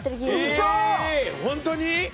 え本当に！？